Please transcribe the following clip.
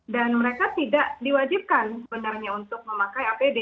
dan mereka tidak diwajibkan sebenarnya untuk memakai apd